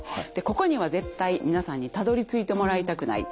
ここには絶対皆さんにたどりついてもらいたくない。